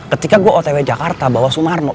ketika gua otw jakarta bawa sumarno